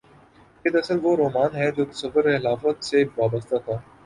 یہ دراصل وہ رومان ہے جو تصور خلافت سے وابستہ تھا۔